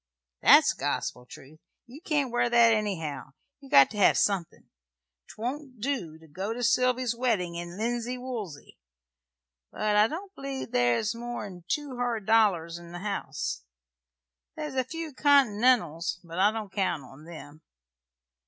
"That's gospel truth. You can't wear that, anyhow. You've got to hev somethin'. 'Twon't do to go to Sylvy's weddin' in linsey woolsy; but I don't believe there's more'n two hard dollars in the house. There's a few Continentals; but I don't count on them.